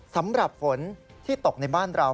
สำหรับฝนที่ตกในบ้านเรา